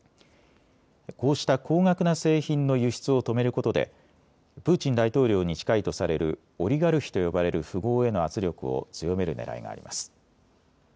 こうした高額な製品の輸出を止めることでプーチン大統領に近いとされるオリガルヒと呼ばれる富豪への圧力を強めるねらいがあります。